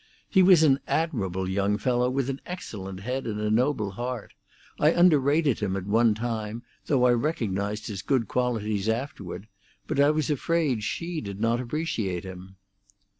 "He was an admirable young fellow, with an excellent head and a noble heart. I underrated him at one time, though I recognised his good qualities afterward; but I was afraid she did not appreciate him."